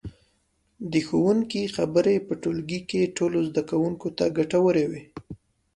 د ښوونکي خبرې په ټولګي کې ټولو زده کوونکو ته ګټورې وي.